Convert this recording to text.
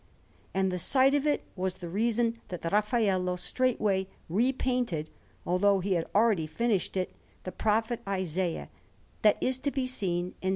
And the sight of it was the reason that Raffaello straightway repainted, although he had already finished it, the Prophet Isaiah that is to be seen in S.